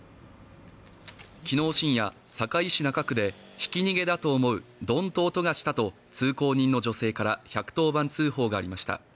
昨日深夜、堺市中区でひき逃げだと思うドンと音がしたと通行人の女性から１１０番通報がありました。